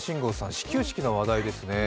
始球式の話題ですね。